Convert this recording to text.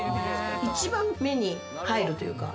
一番目に入るというか。